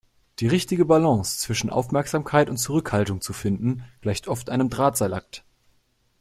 Die richtige Balance zwischen Aufmerksamkeit und Zurückhaltung zu finden, gleicht oft einem Drahtseilakt.